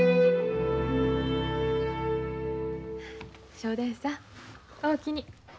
正太夫さんおおきに。